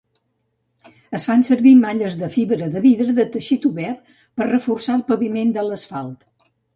Es fan servir malles de fibra de vidre de teixit obert per a reforçar el paviment de l'asfalt.